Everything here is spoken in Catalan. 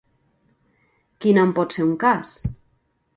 Quin en pot ser un cas?